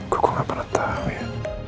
gue kok gak pernah tahu ya